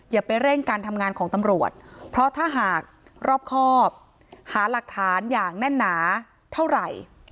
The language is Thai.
อย่าไปเร่งการทำงานของตำรวจเพราะถ้าหากรอบครอบหาหลักฐานอย่างแน่นหนาเท่าไหร่